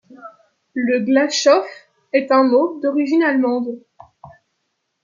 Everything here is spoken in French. Le Glashof est un mot d'origine allemande.